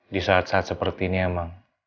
di saat saat seperti ini ya ma